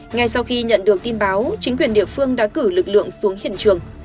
ngay sau khi nhận được tin báo chính quyền địa phương đã cử lực lượng xuống hiện trường